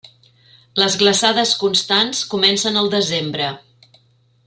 Les glaçades constants comencen al desembre.